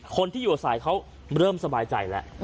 คนที่อยู่อาศัยเขาเริ่มสบายใจแล้ว